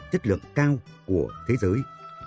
chất lượng cao của thế giới